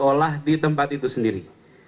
olah di tempat itu sendiri